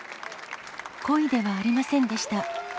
故意ではありませんでした。